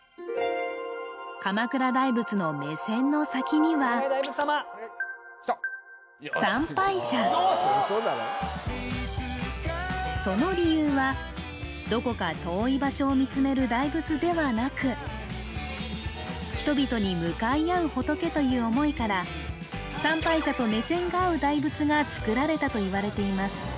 鎌倉大仏の目線の先にはその理由はどこか遠い場所を見つめる大仏ではなくという思いから参拝者と目線が合う大仏がつくられたといわれています